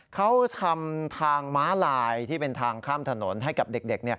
เขาทำทางม้าลายที่เป็นทางข้ามถนนให้กับเด็ก